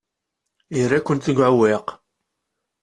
Yerra-kent deg uɛewwiq.